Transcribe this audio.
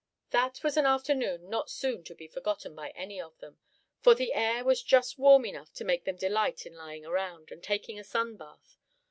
That was an afternoon not soon to be forgotten by any of them, for the air was just warm enough to make them delight in lying around, and taking a sun bath.